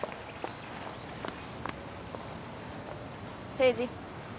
誠治。